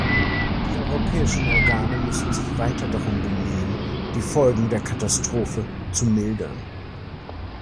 Die europäischen Organe müssen sich weiter darum bemühen, die Folgen der Katastrophe zu mildern.